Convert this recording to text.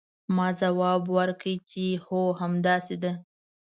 ما ځواب ورکړ چې هو همداسې ده.